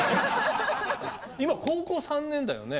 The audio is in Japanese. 今高校３年だよね。